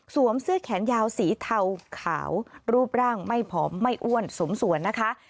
เสื้อแขนยาวสีเทาขาวรูปร่างไม่ผอมไม่อ้วนสมส่วนนะคะ